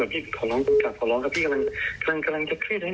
พี่เขิดแล้วที่ฆาตัวตายขอร้องกลับขอร้องนะครับ